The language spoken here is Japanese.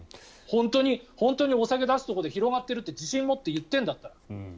本当にお酒を出すところで広がっているって自信を持って言っているんだったら。